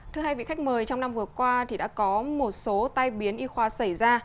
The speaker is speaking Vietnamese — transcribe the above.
thưa hai vị khách mời trong năm vừa qua thì đã có một số tai biến y khoa xảy ra